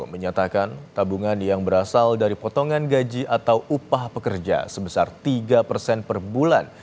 menyatakan tabungan yang berasal dari potongan gaji atau upah pekerja sebesar tiga persen per bulan